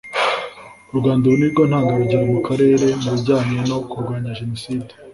“U rwanda ubu ni rwo ntanga rugero mu karere mu bijyanye no kurwanya jenoside